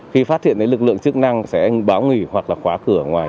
khi phát hiện lực lượng chức năng sẽ báo nghỉ hoặc là khóa cửa ở ngoài